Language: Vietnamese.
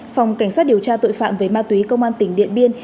phòng cảnh sát điều tra tội phạm về ma túy công an tỉnh điện biên